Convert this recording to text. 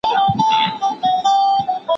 په شريعت کي شقاق څه ته وايي؟